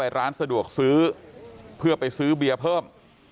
แต่ว่าวินนิสัยดุเสียงดังอะไรเป็นเรื่องปกติอยู่แล้วครับ